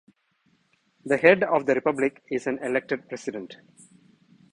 The head of the Republic is an elected President.